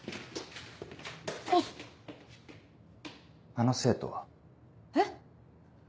あの生徒は？えっ？